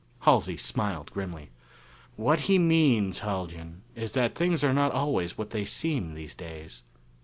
Halsey smiled grimly. "What he means, Haljan, is that things are not always what they seem these days.